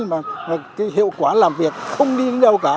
mà cái hiệu quả làm việc không đi đến nhau cả